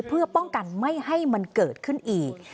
เพื่อป้องกันไม่ให้มันเกิดขึ้นอีก